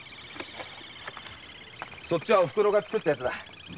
そっちはオフクロが作ったやつだ。